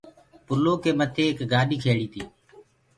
پلوُ ڪي مٿي ايڪ گآڏي کيڙيٚ تيٚ